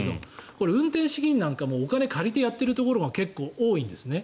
これ、運転資金なんかもお金を借りてやっているところが結構多いんですね。